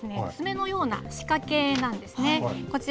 爪のような仕掛けなんですね。